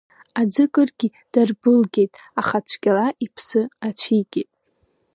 Аӡы кыргьы дарбылгьеит, аха цәгьала иԥсы ацәигеит…